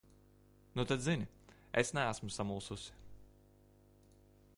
Nu tad zini: es neesmu samulsusi.